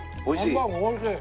ハンバーグ美味しい！